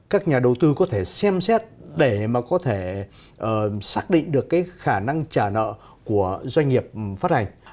các nhà đầu tư có thể xem xét để mà có thể xác định được cái khả năng trả nợ của doanh nghiệp phát hành